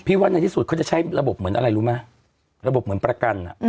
ว่าในที่สุดเขาจะใช้ระบบเหมือนอะไรรู้ไหมระบบเหมือนประกัน